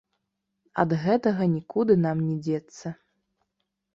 Ад гэтага нікуды нам не дзецца.